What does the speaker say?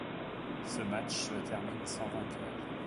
Ce match se termine sans vainqueur.